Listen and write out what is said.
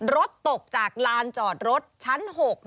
รถตกจากลานจอดรถชั้น๖